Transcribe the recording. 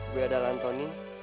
gue adalah antoni